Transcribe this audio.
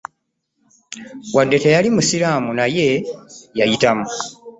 Wadde teyali musiraamu naye yayitamu.